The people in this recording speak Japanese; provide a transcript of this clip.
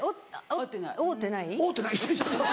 合うてない。